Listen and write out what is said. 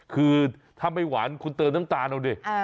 คือถ้าไม่หวานคุณเติมน้ำตาลเอาดิ